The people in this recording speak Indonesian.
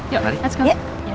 yuk let's go